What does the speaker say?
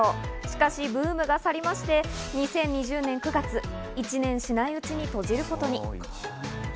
しかしブームが去りまして、２０２０年９月、１年しないうちに閉じることに。